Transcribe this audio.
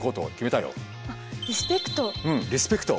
うんリスペクト。